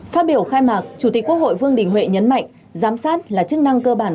phát biểu khai mạc chủ tịch quốc hội vương đình huệ nhấn mạnh giám sát là chức năng cơ bản